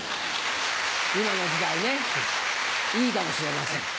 今の時代ねいいかもしれません。